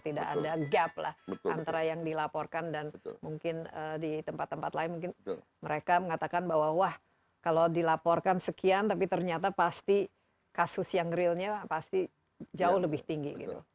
tidak ada gap lah antara yang dilaporkan dan mungkin di tempat tempat lain mungkin mereka mengatakan bahwa wah kalau dilaporkan sekian tapi ternyata pasti kasus yang realnya pasti jauh lebih tinggi gitu